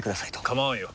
構わんよ。